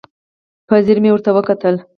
په ځیر مې ورته وکتل.